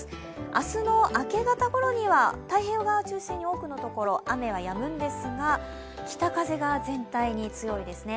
明日の明け方ごろには太平洋側を中心に多くのところ雨はやむんですが北風が全体の強いですね。